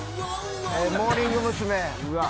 モーニング娘。